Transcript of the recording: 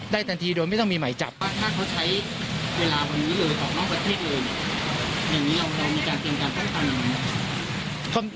ได้ตันทีโดยไม่ต้องมีไหมจับถ้าเขาใช้เวลาแบบนี้เลยของนอกประเทศเลย